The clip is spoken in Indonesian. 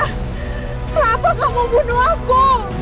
kenapa kamu bunuh aku